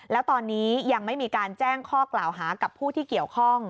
แล้วตอนนี้ยังไม่มีการแจ้งข้อกล่าวหากับผู้ที่เกี่ยวข้อง